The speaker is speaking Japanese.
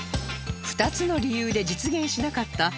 ２つの理由で実現しなかった池田さん